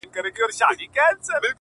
هغه د بل د كور ډېوه جوړه ده’